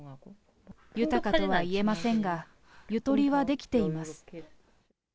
豊かとはいえませんが、ゆとりは出来ています。